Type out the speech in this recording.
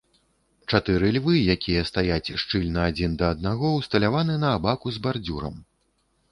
Чатыры львы, якія стаяць шчыльна адзін да аднаго, усталяваны на абаку з бардзюрам.